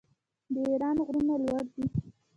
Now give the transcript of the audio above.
د ایران غرونه لوړ دي.